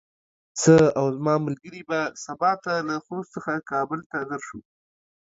زه او زما ملګري به سبا ته له خوست څخه کابل ته درشو.